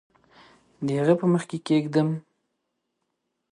د هغه په مخ کې کښېږدم